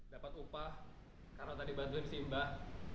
dapat upah karena tadi bantuin si mbak